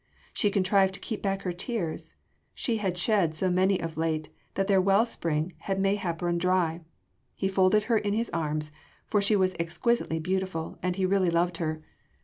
She contrived to keep back her tears; she had shed so many of late that their well spring had mayhap run dry: he folded her in his arms, for she was exquisitely beautiful and he really loved her.